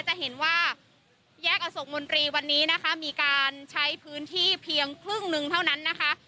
จะเห็นว่าแยกอโศกมนตรีวันนี้นะคะมีการใช้พื้นที่เพียงครึ่งหนึ่งเท่านั้นนะคะ